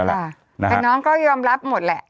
แต่น้องก็ยอมรับหมดแหละ